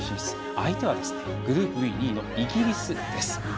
相手は、グループＢ２位のイギリスです。